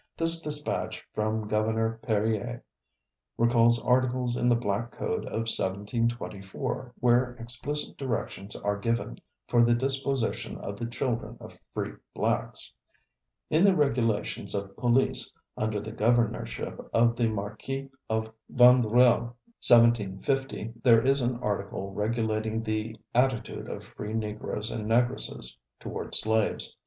This dispatch from Gov. Perier recalls articles in the Black Code of 1724, where explicit directions are given for the disposition of the children of free blacks. In the regulations of police under the governorship of the Marquis of Vandreuil, 1750, there is an article regulating the attitude of free Negroes and Negresses toward slaves.